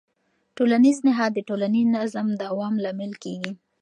ټولنیز نهاد د ټولنیز نظم د دوام لامل کېږي.